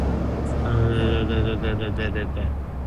The very top floors can clearly be seen still under construction.